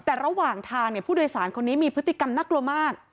แต่ระหว่างทางเนี่ยผู้โดยสารคนนี้มีพฤติกรรมนักโกรธมาก